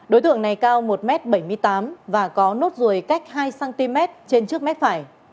đối tượng này cao một m bảy mươi tám và có nốt ruồi cách hai cm trên trước mép phải